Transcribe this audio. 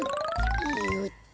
よっと。